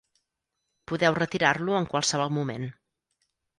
Podeu retirar-lo en qualsevol moment.